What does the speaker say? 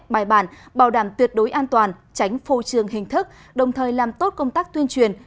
bài bản bảo đảm tuyệt đối an toàn tránh phô trường hình thức đồng thời làm tốt công tác tuyên truyền